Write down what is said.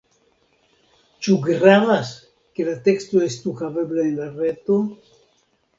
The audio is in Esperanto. Ĉu gravas, ke la teksto estu havebla en la reto?